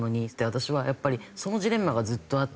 私はやっぱりそのジレンマがずっとあって。